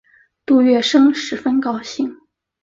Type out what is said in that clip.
杜月笙十分高兴。